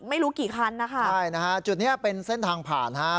ไม่รู้กี่คันนะคะใช่นะฮะจุดเนี้ยเป็นเส้นทางผ่านฮะ